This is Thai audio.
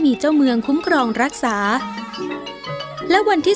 สงกรานภาคใต้